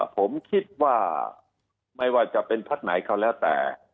ผมคิดว่าไม่ว่าจะเป็นพักไหนก็แล้วแต่